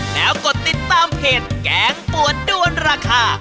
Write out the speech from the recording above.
แล้วกดติดตามเพจแกงปวดด้วนราคา